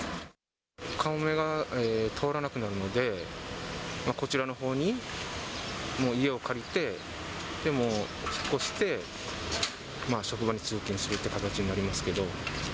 かもめが通らなくなるので、こちらのほうにもう家を借りて、もう、引っ越して職場に通勤するっていう形になりますけど。